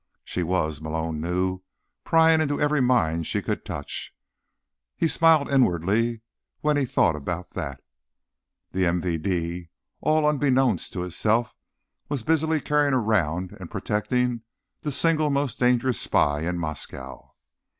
She was, Malone knew, prying into every mind she could touch. He smiled inwardly when he thought about that. The MVD, all unbeknownst to itself, was busily carrying around and protecting the single most dangerous spy in Moscow.